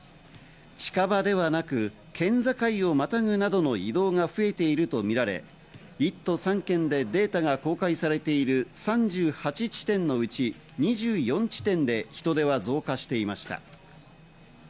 近場ではなく県境をまたぐなどの移動が増えていると見られ１都３県でデータが公開されている３８地点のうち２４地点で人出は増加していました。